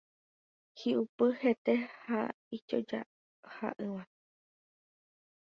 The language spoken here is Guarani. Hi'upy hete ha ijojaha'ỹva